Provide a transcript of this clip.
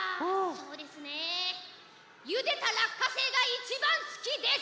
そうですねゆでたらっかせいがいちばんすきです！